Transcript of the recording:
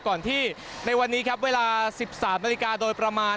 ก่อนที่ในวันนี้ครับเวลา๑๓นาฬิกาโดยประมาณ